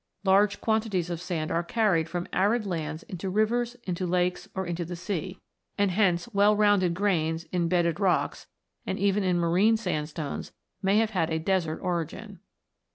Large quantities of sand are carried from arid lands into rivers, into lakes, or into the sea, and hence well 52 68 ROCKS AND THEIR ORIGINS [CH. rounded grains, in bedded rocks, and even in marine sandstones, may have had a desert origin.